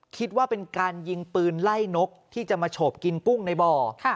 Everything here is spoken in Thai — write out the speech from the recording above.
คิดว่าเป็นการยิงปืนไล่นกที่จะมาโฉบกินกุ้งในบ่อ